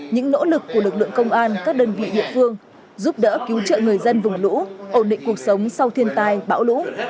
những nỗ lực của lực lượng công an các đơn vị địa phương giúp đỡ cứu trợ người dân vùng lũ ổn định cuộc sống sau thiên tai bão lũ